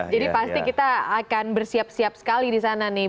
jadi pasti kita akan bersiap siap sekali di sana nih